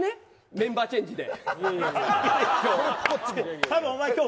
メンバーチェンジで、今日。